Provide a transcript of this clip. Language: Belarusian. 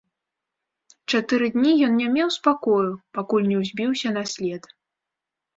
Чатыры дні ён не меў спакою, пакуль не ўзбіўся на след.